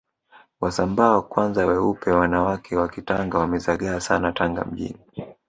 Wasambaa kwanza weupe wanawake wa kitanga wamezagaa Sana Tanga mjini